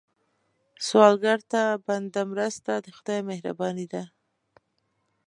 سوالګر ته بنده مرسته، د خدای مهرباني ده